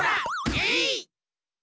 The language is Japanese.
えい！